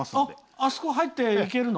あそこに入っていけるの？